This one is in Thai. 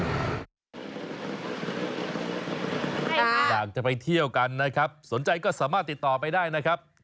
อยากจะไปเที่ยวกันนะครับสนใจก็สามารถติดต่อไปได้นะครับ